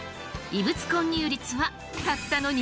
異物混入率はたったの２％！